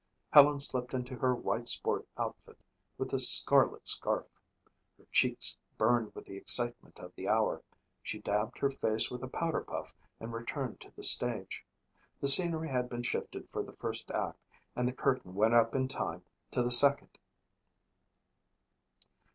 Helen slipped into her white sport outfit with the scarlet scarf. Her cheeks burned with the excitement of the hour. She dabbed her face with a powder puff and returned to the stage. The scenery had been shifted for the first act and the curtain went up on time to the second.